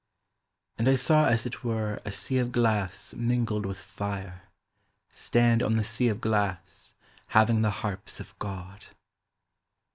And I saw as it were a sea of glass mingled with fire ... stand on the sea of glass, having the harps of God.